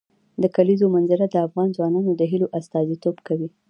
د کلیزو منظره د افغان ځوانانو د هیلو استازیتوب کوي.